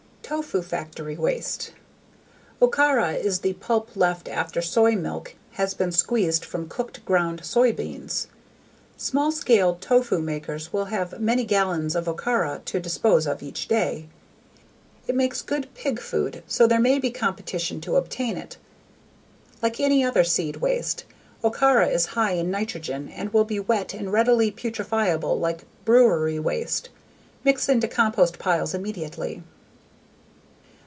_ Tofu factory waste. Okara is the pulp left after soy milk has been squeezed from cooked, ground soybeans. Small scale tofu makers will have many gallons of okara to dispose of each day. It makes good pig food so there may be competition to obtain it. Like any other seed waste, okara is high in nitrogen and will be wet and readily putrefiable like brewery waste. Mix into compost piles immediately.